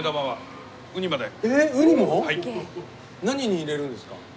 何に入れるんですか？